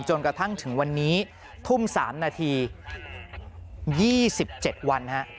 จนกระทั่งถึงวันนี้ทุ่ม๓นาที๒๗วัน